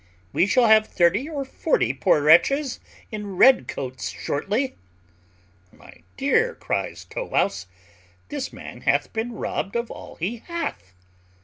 We shall have thirty or forty poor wretches in red coats shortly." "My dear," cries Tow wouse, "this man hath been robbed of all he hath."